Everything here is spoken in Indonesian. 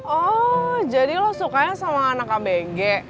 oh jadi lo sukanya sama anak abenge